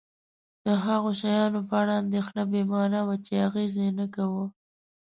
د هغو شیانو په اړه اندېښنه بې مانا وه چې اغېز یې نه کاوه.